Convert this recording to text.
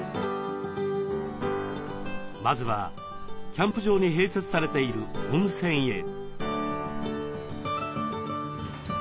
まずはキャンプ場に併設されている温泉へ。